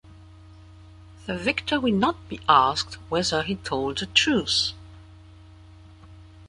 The victor will not be asked whether he told the truth.